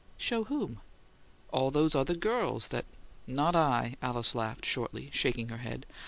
"Show whom!" "All these other girls that " "Not I!" Alice laughed shortly, shaking her head.